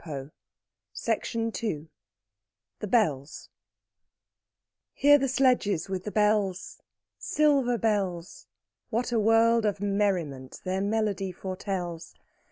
THE BELLS, I. Hear the sledges with the bells Silver bells! What a world of merriment their melody foretells!